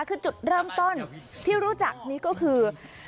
คือจุดเริ่มต้นที่รู้จักนี้ก็คือ